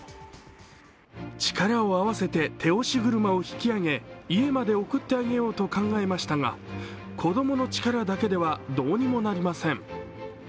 力を合わせて手押し車を引き上げ、家まで送ってあげようと考えましたが子供の力だけでは、どうにもなりません。